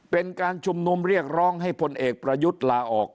เป็นการชุมนุมเรียกร้องให้พลเอกประยุทธ์ลาออก